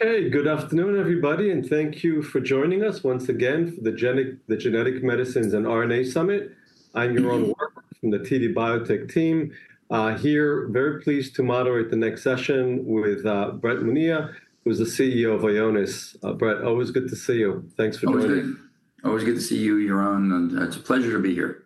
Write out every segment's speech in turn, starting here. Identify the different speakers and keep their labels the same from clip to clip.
Speaker 1: Hey, good afternoon, everybody, and thank you for joining us once again for the Genetic Medicines and RNA Summit. I'm Yaron Werber from the TD Biotech team. Here, very pleased to moderate the next session with Brett Monia, who's the CEO of Ionis. Brett, always good to see you. Thanks for joining.
Speaker 2: Always good to see you, Yaron, and it's a pleasure to be here.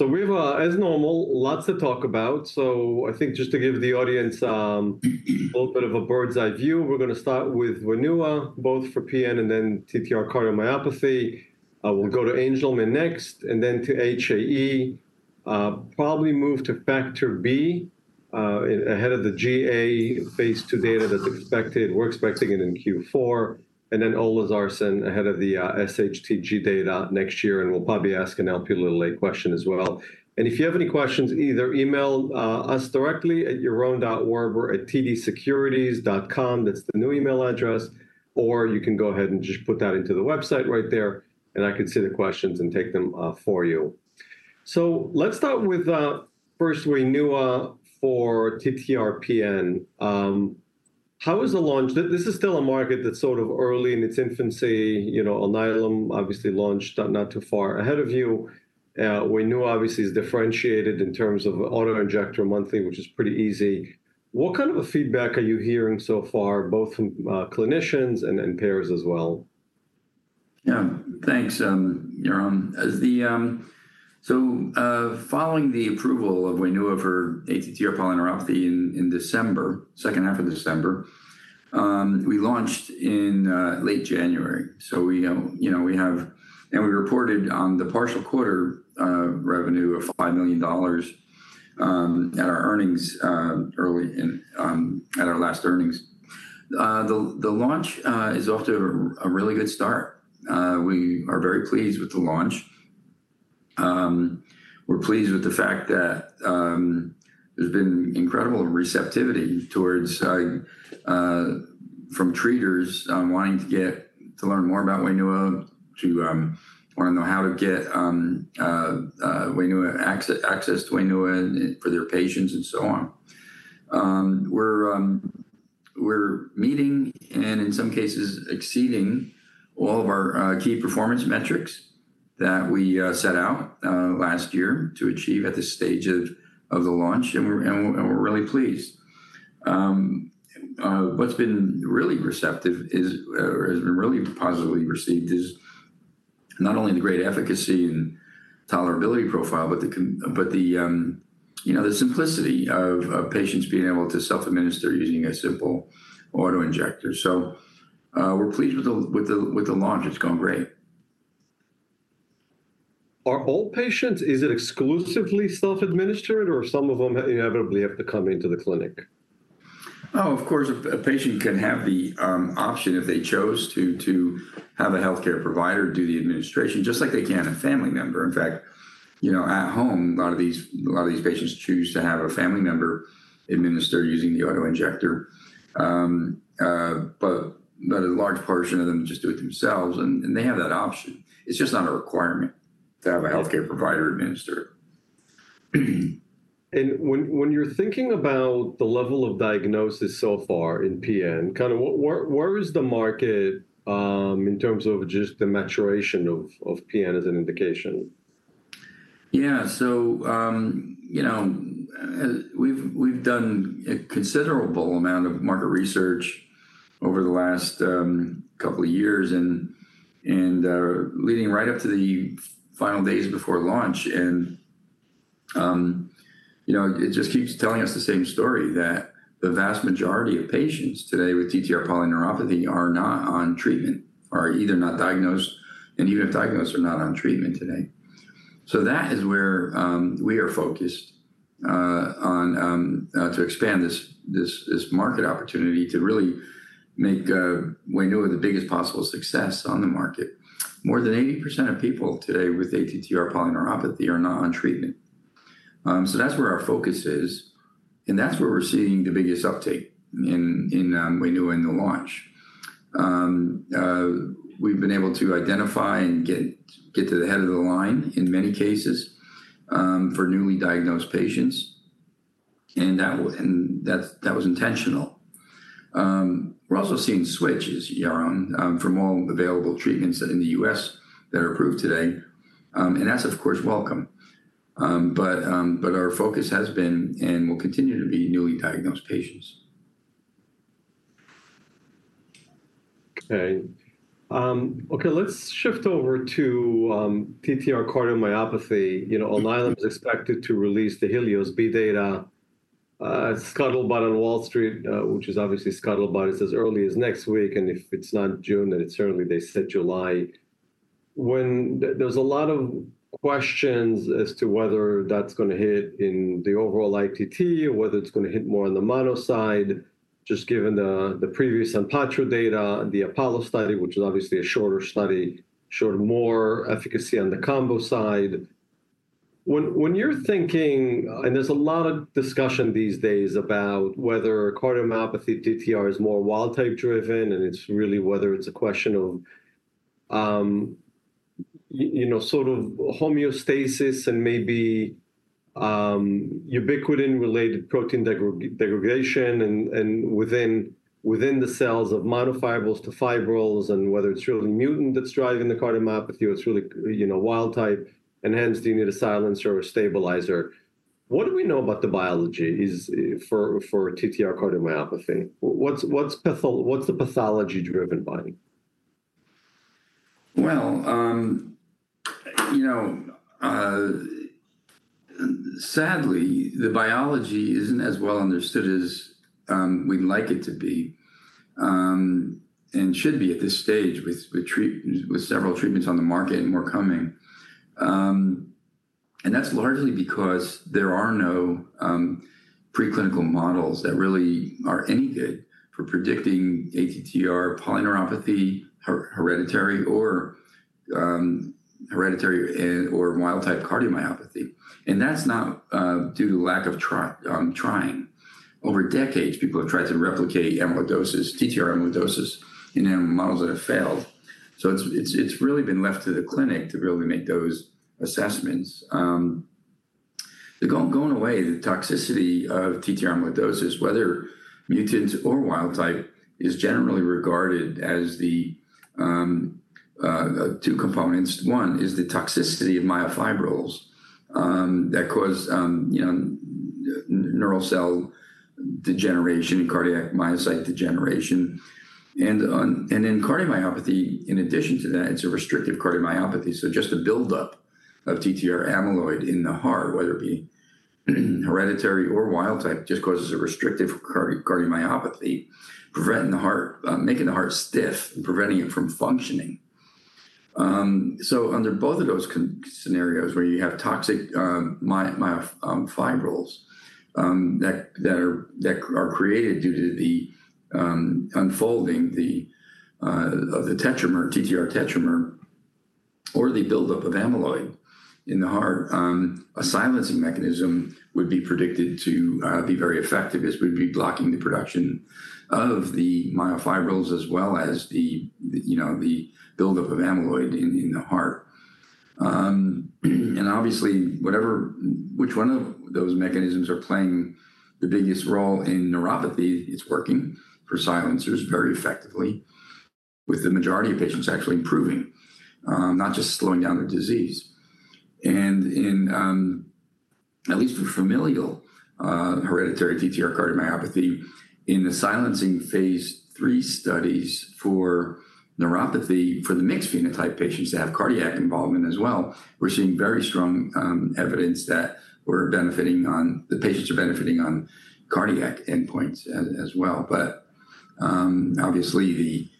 Speaker 1: So we have, as normal, lots to talk about. So I think just to give the audience a little bit of a bird's-eye view, we're going to start with Wainua, both for PN and then TTR cardiomyopathy. We'll go to Angelman next, and then to HAE, probably move to Factor B ahead of the GA phase II data that's expected. We're expecting it in Q4. And then olezarsen ahead of the sHTG data next year. And we'll probably ask an LPLLA question as well. And if you have any questions, either email us directly at yaron.werber@tdsecurities.com, that's the new email address. Or you can go ahead and just put that into the website right there, and I can see the questions and take them for you. So let's start with, first, Wainua for TTR PN. How is the launch? This is still a market that's sort of early in its infancy. Alnylam obviously launched not too far ahead of you. Wainua, obviously, is differentiated in terms of autoinjector monthly, which is pretty easy. What kind of feedback are you hearing so far, both from clinicians and payers as well?
Speaker 2: Yeah, thanks, Yaron. So following the approval of Wainua for ATTR polyneuropathy in December, second half of December, we launched in late January. So we have and we reported on the partial quarter revenue of $5 million at our earnings early at our last earnings. The launch is off to a really good start. We are very pleased with the launch. We're pleased with the fact that there's been incredible receptivity from treaters wanting to get to learn more about Wainua, to want to know how to get Wainua, access to Wainua, for their patients, and so on. We're meeting, and in some cases, exceeding all of our key performance metrics that we set out last year to achieve at this stage of the launch. And we're really pleased. What's been really receptive is, or has been really positively received, is not only the great efficacy and tolerability profile, but the simplicity of patients being able to self-administer using a simple autoinjector. So we're pleased with the launch. It's going great.
Speaker 1: Are all patients? Is it exclusively self-administered, or some of them inevitably have to come into the clinic?
Speaker 2: Oh, of course. A patient can have the option, if they chose, to have a health care provider do the administration, just like they can a family member. In fact, at home, a lot of these patients choose to have a family member administer using the autoinjector. But a large portion of them just do it themselves. They have that option. It's just not a requirement to have a health care provider administer it.
Speaker 1: When you're thinking about the level of diagnosis so far in PN, kind of where is the market in terms of just the maturation of PN as an indication?
Speaker 2: Yeah, so we've done a considerable amount of market research over the last couple of years, and leading right up to the final days before launch. It just keeps telling us the same story, that the vast majority of patients today with TTR polyneuropathy are not on treatment, are either not diagnosed, and even if diagnosed, are not on treatment today. That is where we are focused on to expand this market opportunity to really make Wainua the biggest possible success on the market. More than 80% of people today with ATTR polyneuropathy are not on treatment. That's where our focus is. That's where we're seeing the biggest uptake in Wainua in the launch. We've been able to identify and get to the head of the line in many cases for newly diagnosed patients. That was intentional. We're also seeing switches, Yaron, from all available treatments in the U.S. that are approved today. That's, of course, welcome. But our focus has been and will continue to be newly diagnosed patients.
Speaker 1: OK, let's shift over to TTR cardiomyopathy. Alnylam is expected to release the HELIOS-B data, scuttlebutt on Wall Street, which is obviously scuttlebutt as early as next week. And if it's not June, then it's certainly they said July. When there's a lot of questions as to whether that's going to hit in the overall ITT, whether it's going to hit more on the mono side, just given the previous Onpattro data, the APOLLO study, which is obviously a shorter study, showed more efficacy on the combo side. When you're thinking, and there's a lot of discussion these days about whether cardiomyopathy TTR is more wild-type driven, and it's really whether it's a question of sort of homeostasis and maybe ubiquitin-related protein degradation within the cells of modifiables to fibrils, and whether it's really mutant that's driving the cardiomyopathy, or it's really wild-type enhanced immunosilencer or stabilizer. What do we know about the biology for TTR cardiomyopathy? What's the pathology driven by?
Speaker 2: Well, sadly, the biology isn't as well understood as we'd like it to be and should be at this stage with several treatments on the market and more coming. That's largely because there are no preclinical models that really are any good for predicting ATTR polyneuropathy, hereditary, or wild-type cardiomyopathy. That's not due to lack of trying. Over decades, people have tried to replicate amyloidosis, TTR amyloidosis, in animal models that have failed. So it's really been left to the clinic to really make those assessments. The toxicity of TTR amyloidosis, whether mutants or wild-type, is generally regarded as the two components. One is the toxicity of amyloid fibrils that cause neural cell degeneration and cardiomyocyte degeneration. In cardiomyopathy, in addition to that, it's a restrictive cardiomyopathy. Just a buildup of TTR amyloid in the heart, whether it be hereditary or wild-type, just causes a restrictive cardiomyopathy, making the heart stiff and preventing it from functioning. Under both of those scenarios, where you have toxic myofibrils that are created due to the unfolding of the tetramer, TTR tetramer, or the buildup of amyloid in the heart, a silencing mechanism would be predicted to be very effective. It would be blocking the production of the myofibrils as well as the buildup of amyloid in the heart. Obviously, which one of those mechanisms are playing the biggest role in neuropathy? It's working for silencers very effectively, with the majority of patients actually improving, not just slowing down the disease. At least for familial hereditary TTR cardiomyopathy, in the silencing phase III studies for neuropathy for the mixed phenotype patients that have cardiac involvement as well, we're seeing very strong evidence that we're benefiting on the patients who are benefiting on cardiac endpoints as well. Obviously,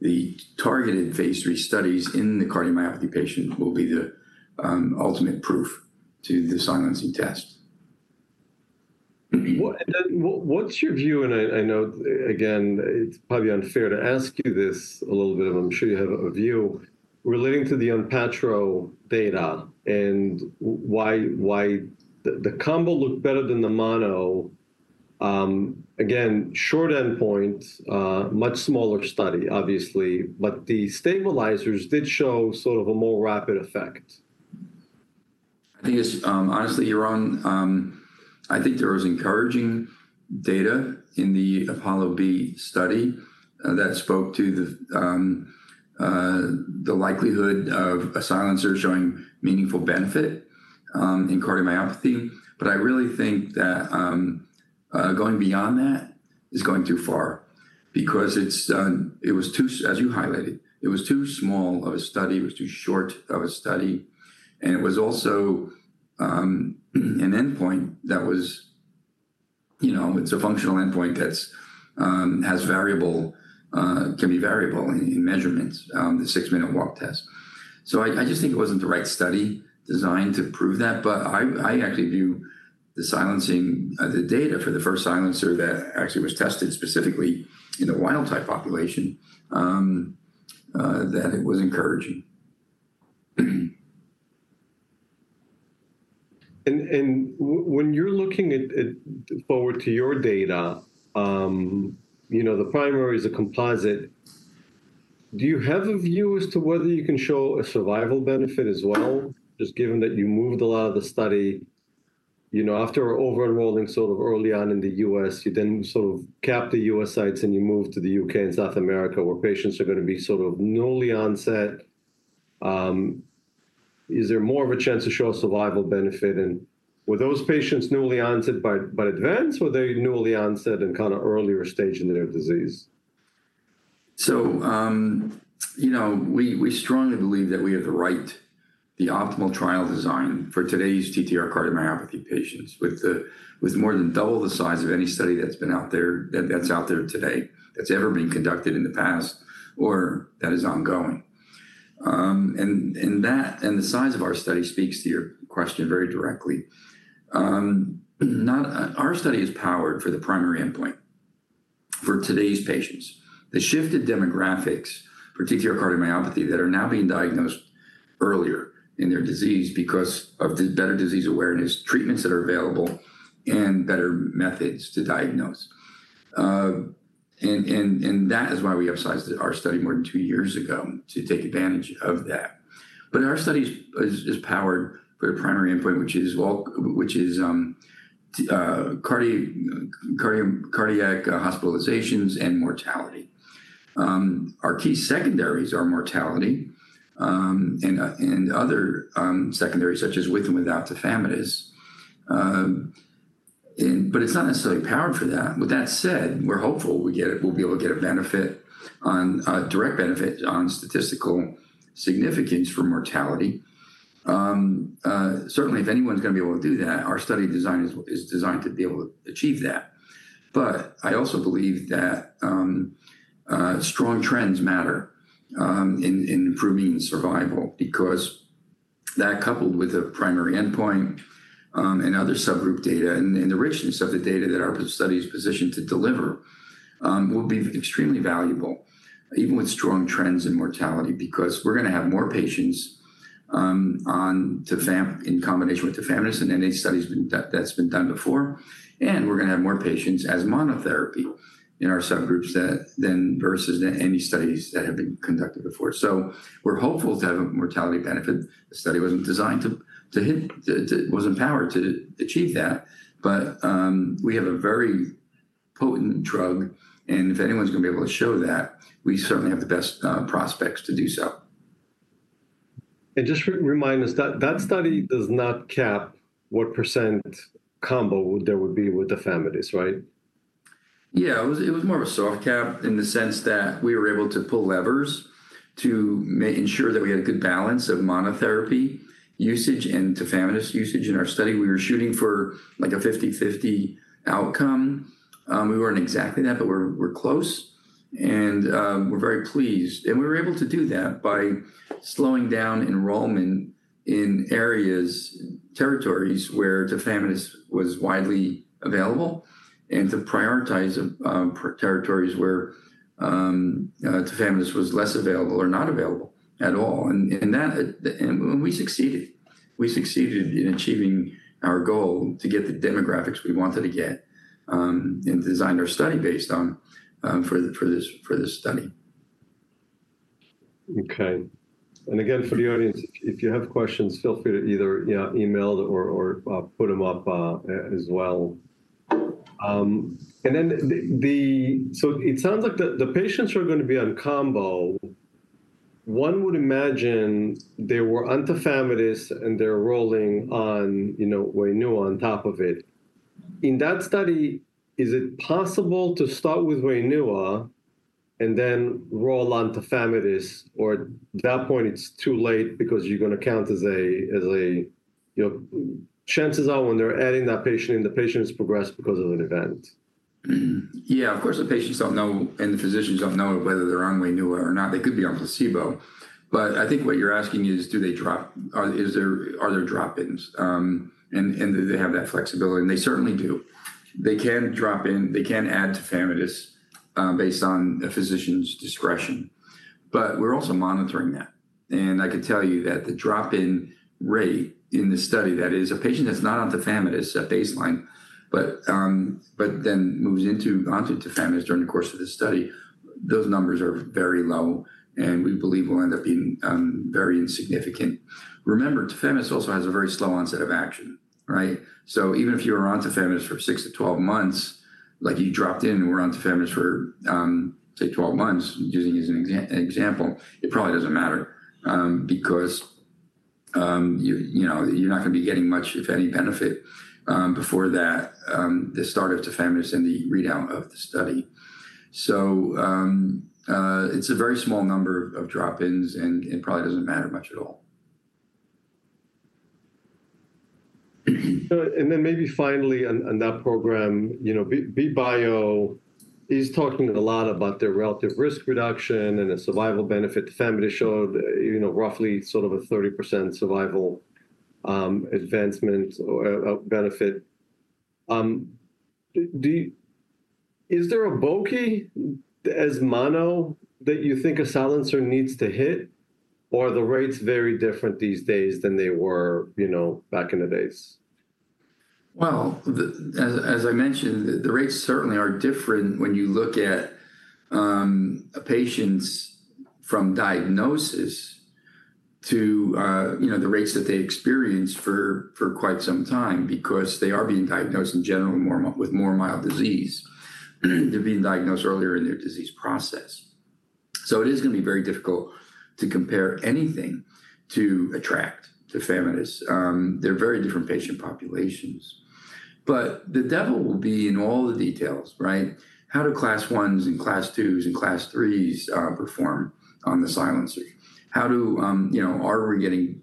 Speaker 2: the targeted phase III studies in the cardiomyopathy patient will be the ultimate proof to the silencing test.
Speaker 1: What's your view? I know, again, it's probably unfair to ask you this a little bit, but I'm sure you have a view relating to the Onpattro data and why the combo looked better than the mono. Again, short endpoint, much smaller study, obviously. But the stabilizers did show sort of a more rapid effect.
Speaker 2: I think, honestly, Yaron, I think there was encouraging data in the APOLLO-B study that spoke to the likelihood of a silencer showing meaningful benefit in cardiomyopathy. But I really think that going beyond that is going too far, because it was too, as you highlighted, it was too small of a study. It was too short of a study. And it was also an endpoint that was, it's a functional endpoint that can be variable in measurements, the 6-minute walk test. So I just think it wasn't the right study designed to prove that. But I actually view the silencer data for the first silencer that actually was tested specifically in the wild-type population that it was encouraging.
Speaker 1: When you're looking forward to your data, the primary is a composite. Do you have a view as to whether you can show a survival benefit as well, just given that you moved a lot of the study after over-enrolling sort of early on in the U.S.? You then sort of capped the U.S. sites, and you moved to the U.K. and South America, where patients are going to be sort of newly onset. Is there more of a chance to show a survival benefit? Were those patients newly onset versus advanced, or are they newly onset and kind of earlier stage in their disease?
Speaker 2: So we strongly believe that we have the right, the optimal trial design for today's TTR cardiomyopathy patients with more than double the size of any study that's been out there that's out there today, that's ever been conducted in the past, or that is ongoing. The size of our study speaks to your question very directly. Our study is powered for the primary endpoint for today's patients, the shifted demographics, particularly cardiomyopathy, that are now being diagnosed earlier in their disease because of better disease awareness, treatments that are available, and better methods to diagnose. That is why we upsized our study more than two years ago to take advantage of that. Our study is powered for the primary endpoint, which is cardiac hospitalizations and mortality. Our key secondaries are mortality and other secondaries, such as with and without the tafamidis. But it's not necessarily powered for that. With that said, we're hopeful we'll be able to get a benefit, direct benefit on statistical significance for mortality. Certainly, if anyone's going to be able to do that, our study design is designed to be able to achieve that. But I also believe that strong trends matter in improving survival, because that, coupled with the primary endpoint and other subgroup data and the richness of the data that our study is positioned to deliver, will be extremely valuable, even with strong trends in mortality, because we're going to have more patients in combination with the tafamidis, and any study that's been done before. And we're going to have more patients as monotherapy in our subgroups than versus any studies that have been conducted before. So we're hopeful to have a mortality benefit. The study wasn't designed to hit, wasn't powered to achieve that. But we have a very potent drug. And if anyone's going to be able to show that, we certainly have the best prospects to do so.
Speaker 1: Just remind us, that study does not cap what percent combo there would be with the tafamidis, right?
Speaker 2: Yeah, it was more of a soft cap in the sense that we were able to pull levers to ensure that we had a good balance of monotherapy usage and tafamidis usage in our study. We were shooting for like a 50/50 outcome. We weren't exactly that, but we're close. We're very pleased. We were able to do that by slowing down enrollment in areas, territories where the tafamidis was widely available, and to prioritize territories where the tafamidis was less available or not available at all. We succeeded. We succeeded in achieving our goal to get the demographics we wanted to get and designed our study based on for this study.
Speaker 1: OK. And again, for the audience, if you have questions, feel free to either email or put them up as well. And then so it sounds like the patients who are going to be on combo, one would imagine they were on tafamidis, and they're rolling on Wainua on top of it. In that study, is it possible to start with Wainua and then roll onto tafamidis, or at that point, it's too late because you're going to count as a chances are when they're adding that patient in, the patient has progressed because of an event?
Speaker 2: Yeah, of course, the patients don't know, and the physicians don't know whether they're on Wainua or not. They could be on placebo. But I think what you're asking is, do they drop? Are there drop-ins? And do they have that flexibility? And they certainly do. They can drop in. They can add to tafamidis based on a physician's discretion. But we're also monitoring that. And I could tell you that the drop-in rate in the study that is a patient that's not on tafamidis at baseline, but then moves onto tafamidis during the course of the study, those numbers are very low. And we believe will end up being very insignificant. Remember, tafamidis also has a very slow onset of action, right? So even if you were on tafamidis for 6-12 months, like you dropped in and were on tafamidis for, say, 12 months, using as an example, it probably doesn't matter, because you're not going to be getting much, if any, benefit before the start of tafamidis and the readout of the study. So it's a very small number of drop-ins, and it probably doesn't matter much at all.
Speaker 1: Then maybe finally, on that program, BridgeBio is talking a lot about their relative risk reduction and the survival benefit. The tafamidis showed roughly sort of a 30% survival advancement benefit. Is there a bar as mono that you think a silencer needs to hit? Or are the rates very different these days than they were back in the days?
Speaker 2: Well, as I mentioned, the rates certainly are different when you look at patients from diagnosis to the rates that they experience for quite some time, because they are being diagnosed in general with more mild disease. They're being diagnosed earlier in their disease process. So it is going to be very difficult to compare anything to ATTR-ACT tafamidis. They're very different patient populations. But the devil will be in all the details, right? How do class I's and class II's and class III's perform on the silencers? Are we getting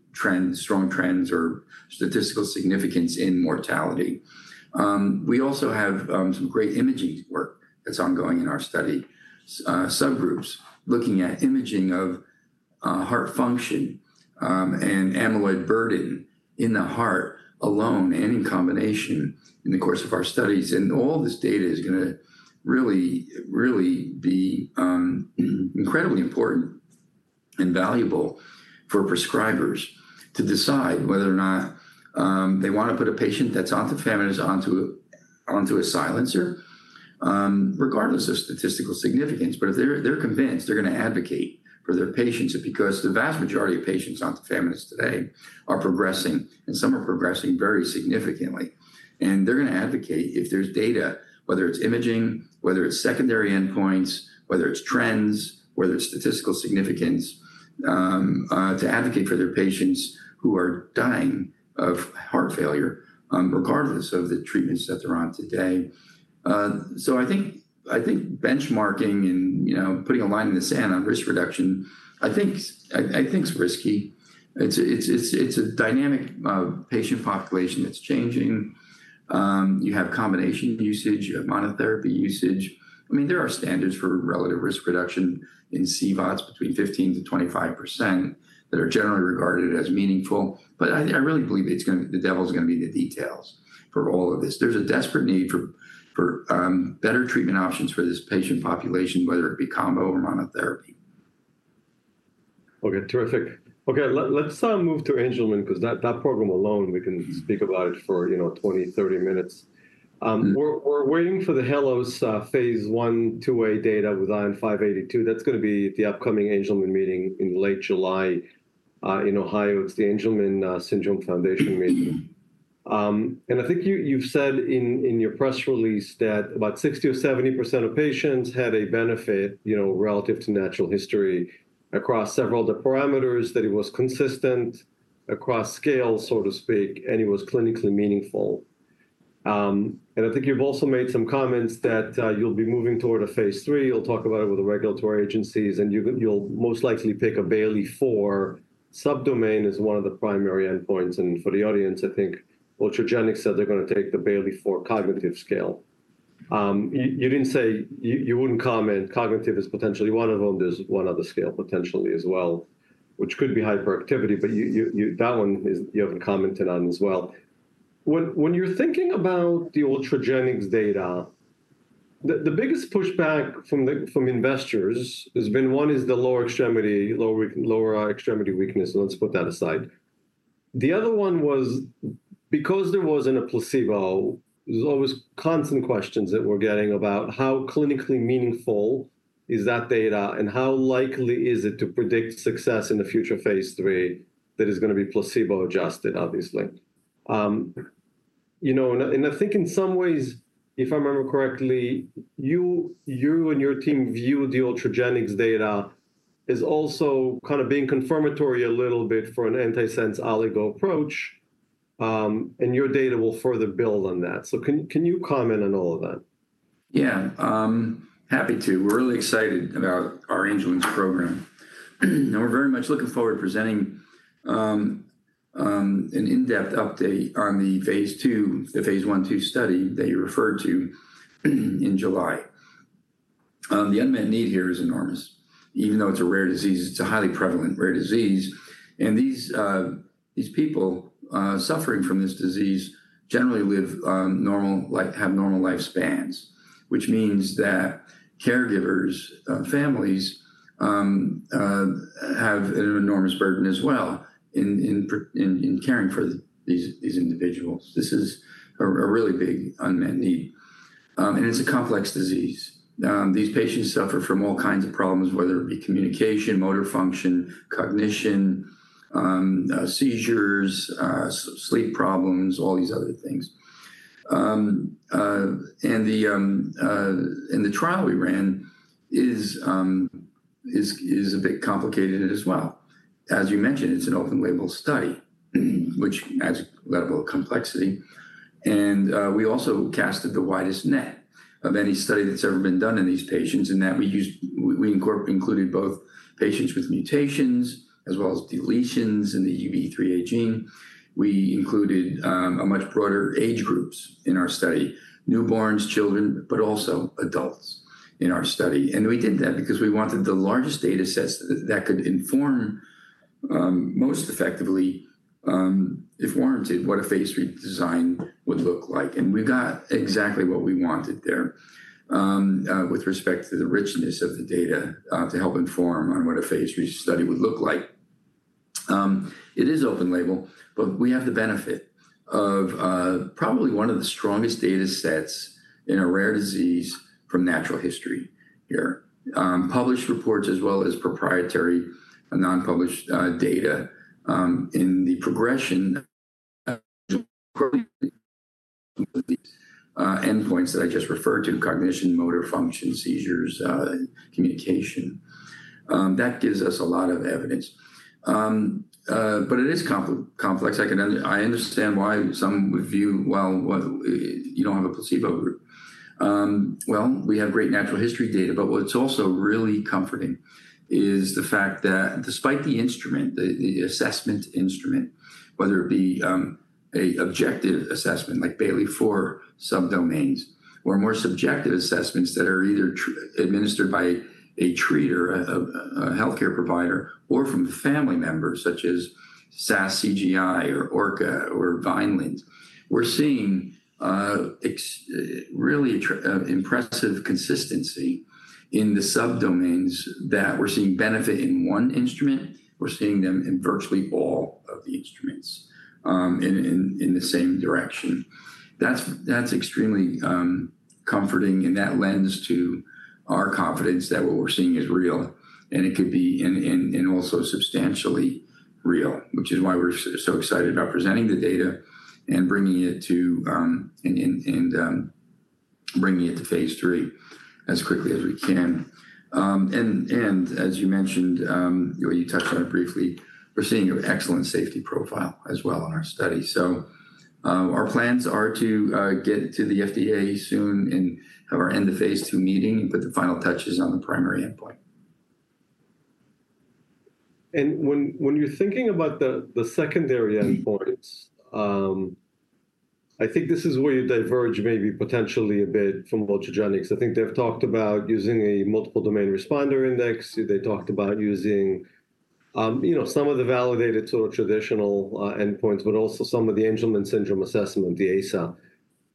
Speaker 2: strong trends or statistical significance in mortality? We also have some great imaging work that's ongoing in our study subgroups looking at imaging of heart function and amyloid burden in the heart alone and in combination in the course of our studies. And all this data is going to really, really be incredibly important and valuable for prescribers to decide whether or not they want to put a patient that's on tafamidis on a silencer, regardless of statistical significance. But if they're convinced, they're going to advocate for their patients, because the vast majority of patients on tafamidis today are progressing, and some are progressing very significantly. And they're going to advocate if there's data, whether it's imaging, whether it's secondary endpoints, whether it's trends, whether it's statistical significance, to advocate for their patients who are dying of heart failure, regardless of the treatments that they're on today. So I think benchmarking and putting a line in the sand on risk reduction, I think it's risky. It's a dynamic patient population that's changing. You have combination usage. You have monotherapy usage. I mean, there are standards for relative risk reduction in CVOTs between 15%-25% that are generally regarded as meaningful. But I really believe the devil's going to be in the details for all of this. There's a desperate need for better treatment options for this patient population, whether it be combo or monotherapy.
Speaker 1: OK, terrific. OK, let's move to Angelman, because that program alone, we can speak about it for 20-30 minutes. We're waiting for the HALOS phase II-A data with ION582. That's going to be the upcoming Angelman meeting in late July in Ohio. It's the Angelman Syndrome Foundation meeting. And I think you've said in your press release that about 60% or 70% of patients had a benefit relative to natural history across several of the parameters, that it was consistent across scale, so to speak, and it was clinically meaningful. And I think you've also made some comments that you'll be moving toward a phase III. You'll talk about it with the regulatory agencies, and you'll most likely pick a Bayley-4 subdomain as one of the primary endpoints. And for the audience, I think Ultragenyx said they're going to take the Bayley-4 cognitive scale. You didn't say you wouldn't comment cognitive is potentially one of them. There's one other scale potentially as well, which could be hyperactivity. But that one you haven't commented on as well. When you're thinking about the Ultragenyx data, the biggest pushback from investors has been, one is the lower extremity, lower extremity weakness. Let's put that aside. The other one was because there wasn't a placebo, there's always constant questions that we're getting about how clinically meaningful is that data, and how likely is it to predict success in the future phase III that is going to be placebo-adjusted, obviously. I think in some ways, if I remember correctly, you and your team view the Ultragenyx data as also kind of being confirmatory a little bit for an anti-sense oligo approach. And your data will further build on that. So can you comment on all of that?
Speaker 2: Yeah, happy to. We're really excited about our Angelman's program. And we're very much looking forward to presenting an in-depth update on the phase II, the phase I/II study that you referred to in July. The unmet need here is enormous. Even though it's a rare disease, it's a highly prevalent rare disease. And these people suffering from this disease generally have normal life spans, which means that caregivers, families have an enormous burden as well in caring for these individuals. This is a really big unmet need. And it's a complex disease. These patients suffer from all kinds of problems, whether it be communication, motor function, cognition, seizures, sleep problems, all these other things. And the trial we ran is a bit complicated as well. As you mentioned, it's an open label study, which adds level of complexity. We also casted the widest net of any study that's ever been done in these patients, in that we included both patients with mutations as well as deletions in the UBE3A gene. We included much broader age groups in our study, newborns, children, but also adults in our study. We did that because we wanted the largest data sets that could inform most effectively, if warranted, what a phase III design would look like. We got exactly what we wanted there with respect to the richness of the data to help inform on what a phase III study would look like. It is open label, but we have the benefit of probably one of the strongest data sets in a rare disease from natural history here, published reports as well as proprietary and non-published data in the progression of these endpoints that I just referred to, cognition, motor function, seizures, communication. That gives us a lot of evidence. But it is complex. I understand why some would view, well, you don't have a placebo group. Well, we have great natural history data. But what's also really comforting is the fact that despite the instrument, the assessment instrument, whether it be an objective assessment like Bayley-4 subdomains or more subjective assessments that are either administered by a treater, a health care provider, or from family members, such as SAS CGI or ORCA or Vineland, we're seeing really impressive consistency in the subdomains that we're seeing benefit in one instrument. We're seeing them in virtually all of the instruments in the same direction. That's extremely comforting. That lends to our confidence that what we're seeing is real, and it could be and also substantially real, which is why we're so excited about presenting the data and bringing it to phase III as quickly as we can. As you mentioned, you touched on it briefly, we're seeing an excellent safety profile as well in our study. Our plans are to get to the FDA soon and have our end of phase II meeting and put the final touches on the primary endpoint.
Speaker 1: When you're thinking about the secondary endpoints, I think this is where you diverge maybe potentially a bit from Ultragenyx. I think they've talked about using a multiple domain responder index. They talked about using some of the validated sort of traditional endpoints, but also some of the Angelman Syndrome Assessment, the ASA.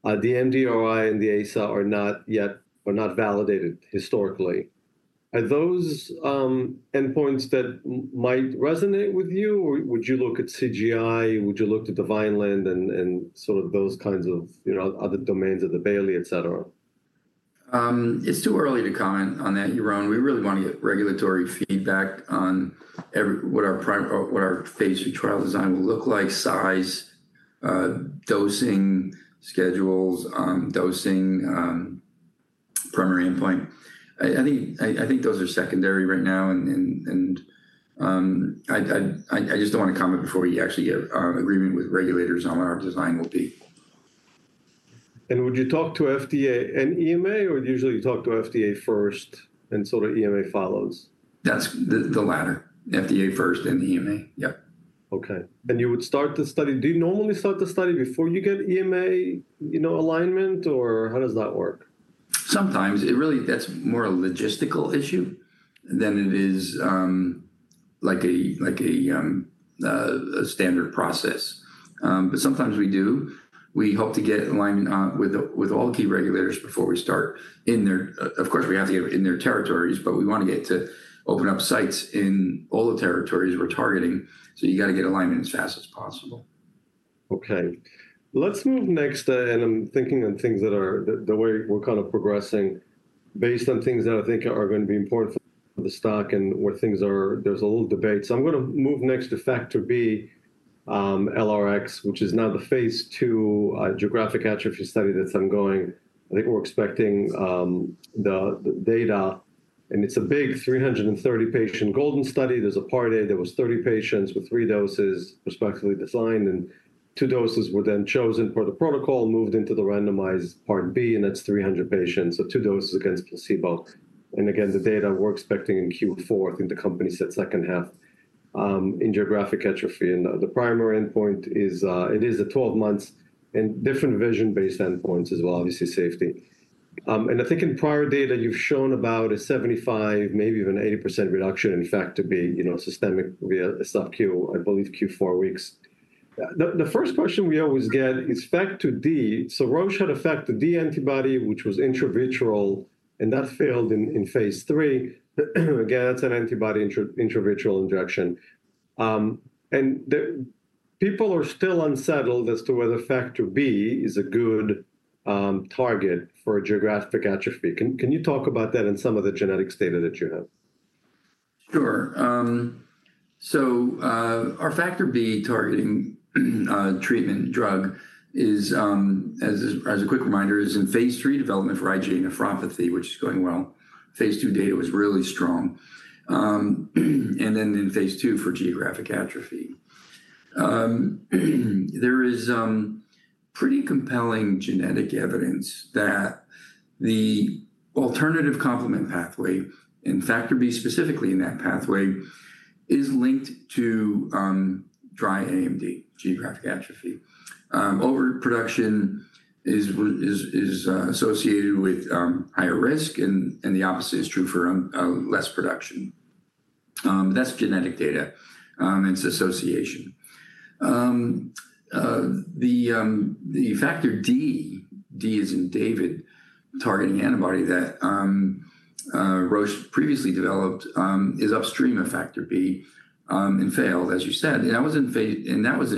Speaker 1: The MDRI and the ASA are not yet validated historically. Are those endpoints that might resonate with you? Or would you look at CGI? Would you look to the Vineland and sort of those kinds of other domains of the Bailey, et cetera?
Speaker 2: It's too early to comment on that, Yaron. We really want to get regulatory feedback on what our phase II trial design will look like, size, dosing schedules, dosing primary endpoint. I think those are secondary right now. I just don't want to comment before we actually get agreement with regulators on what our design will be.
Speaker 1: Would you talk to FDA and EMA? Or usually you talk to FDA first, and sort of EMA follows?
Speaker 2: That's the latter, FDA first and EMA, yeah.
Speaker 1: OK. Do you normally start the study before you get EMA alignment? Or how does that work?
Speaker 2: Sometimes. It really, that's more a logistical issue than it is like a standard process. But sometimes we do. We hope to get alignment with all the key regulators before we start in their territories, of course, we have to get in their territories, but we want to get to open up sites in all the territories we're targeting. So you've got to get alignment as fast as possible.
Speaker 1: OK. Let's move next. And I'm thinking on things that are the way we're kind of progressing based on things that I think are going to be important for the stock and where things are there's a little debate. So I'm going to move next to Factor B LRx, which is now the phase II geographic atrophy study that's ongoing. I think we're expecting the data. And it's a big 330-patient global study. There's a part A that was 30 patients with three doses respectively designed. And two doses were then chosen for the protocol, moved into the randomized part B, and that's 300 patients, so two doses against placebo. And again, the data we're expecting in Q4, I think the company said second half in geographic atrophy. And the primary endpoint is. It is a 12-month and different vision-based endpoints as well, obviously safety. I think in prior data you've shown about a 75%, maybe even 80% reduction in Factor B systemic sub-Q, I believe Q4 weeks. The first question we always get is Factor D. So Roche had a Factor D antibody, which was intravitreal, and that failed in phase III. Again, that's an antibody intravitreal injection. People are still unsettled as to whether Factor B is a good target for geographic atrophy. Can you talk about that and some of the genetic data that you have?
Speaker 2: Sure. So our Factor B targeting treatment drug, as a quick reminder, is in phase III development for IgA nephropathy, which is going well. Phase II data was really strong. And then in phase II for geographic atrophy. There is pretty compelling genetic evidence that the alternative complement pathway, and Factor B specifically in that pathway, is linked to dry AMD, geographic atrophy. Overproduction is associated with higher risk, and the opposite is true for less production. That's genetic data. It's association. The Factor D, D as in David, targeting antibody that Roche previously developed is upstream of Factor B and failed, as you said. And that was an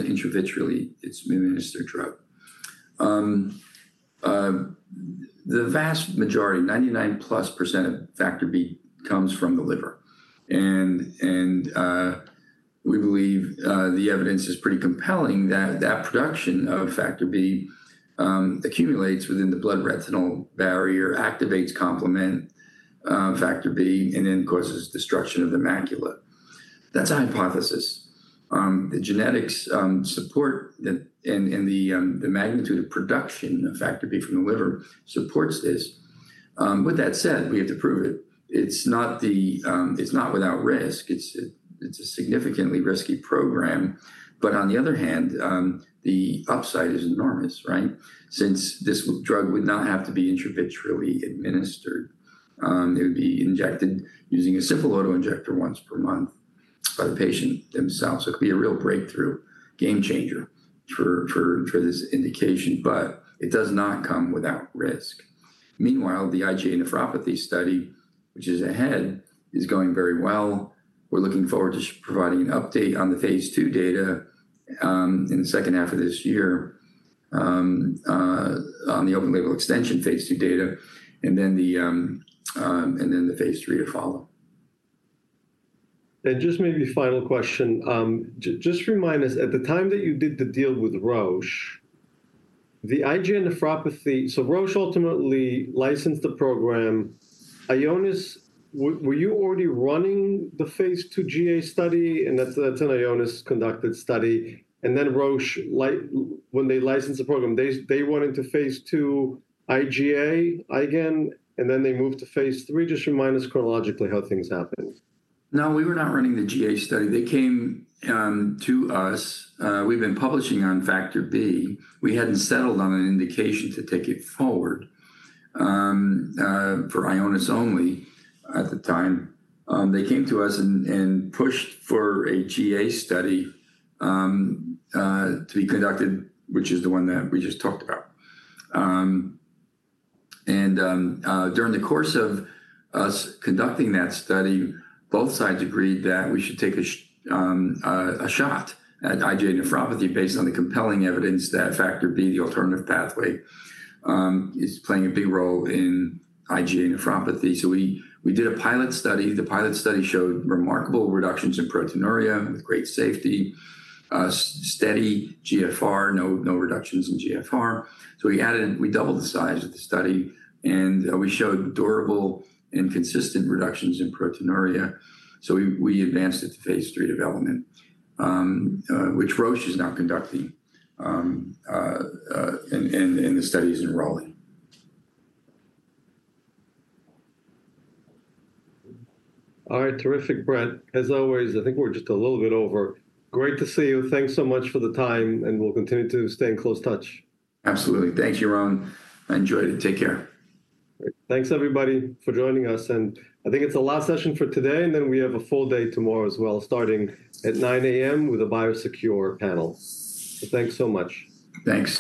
Speaker 2: intravitreally administered drug. The vast majority, 99%+ of Factor B comes from the liver. We believe the evidence is pretty compelling that that production of factor B accumulates within the blood-retinal barrier, activates complement factor B, and then causes destruction of the macula. That's a hypothesis. The genetics support and the magnitude of production of factor B from the liver supports this. With that said, we have to prove it. It's not without risk. It's a significantly risky program. On the other hand, the upside is enormous, right, since this drug would not have to be intravitreally administered. It would be injected using a simple autoinjector once per month by the patient themselves. It could be a real breakthrough, game changer for this indication. It does not come without risk. Meanwhile, the IgA nephropathy study, which is ahead, is going very well. We're looking forward to providing an update on the phase II data in the second half of this year on the open label extension phase II data, and then the phase III to follow.
Speaker 1: And just maybe final question. Just remind us, at the time that you did the deal with Roche, the IgA nephropathy so Roche ultimately licensed the program. Ionis, were you already running the phase II GA study? And that's an Ionis conducted study. And then Roche, when they licensed the program, they went into phase II IgA again, and then they moved to phase III. Just remind us chronologically how things happened.
Speaker 2: No, we were not running the GA study. They came to us. We've been publishing on Factor B. We hadn't settled on an indication to take it forward for Ionis only at the time. They came to us and pushed for a GA study to be conducted, which is the one that we just talked about. And during the course of us conducting that study, both sides agreed that we should take a shot at IgA nephropathy based on the compelling evidence that Factor B, the alternative pathway, is playing a big role in IgA nephropathy. So we did a pilot study. The pilot study showed remarkable reductions in proteinuria, great safety, steady GFR, no reductions in GFR. So we doubled the size of the study. And we showed durable and consistent reductions in proteinuria. So we advanced it to phase III development, which Roche is now conducting, and the study is enrolling.
Speaker 1: All right, terrific, Brett. As always, I think we're just a little bit over. Great to see you. Thanks so much for the time. We'll continue to stay in close touch.
Speaker 2: Absolutely. Thanks, Yaron. I enjoyed it. Take care.
Speaker 1: Thanks, everybody, for joining us. I think it's the last session for today. Then we have a full day tomorrow as well, starting at 9:00 A.M. with a Biosecure panel. Thanks so much.
Speaker 2: Thanks.